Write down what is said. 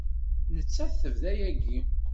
Nettat tebda yagi.